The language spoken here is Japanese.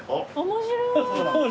面白い。